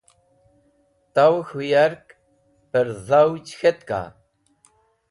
Tawẽ k̃hũ yark pẽrdhavj k̃hetka?